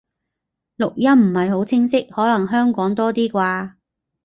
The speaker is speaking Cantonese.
錄音唔係好清晰，可能香港多啲啩